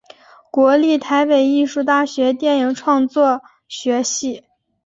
国立台北艺术大学电影创作学系